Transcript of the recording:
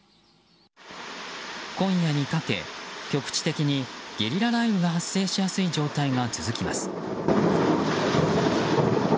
今夜にかけ、局地的にゲリラ雷雨が発生しやすい状態が続きます。